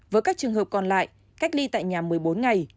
với các trường hợp còn lại cách ly tại nhà một mươi bốn ngày